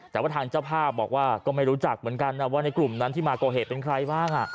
แต่ว่าทางเจ้าภาพบอกว่าก็ไม่รู้จักเหมือนกันนะว่าในกลุ่มนั้นที่มาก่อเหตุเป็นใครบ้าง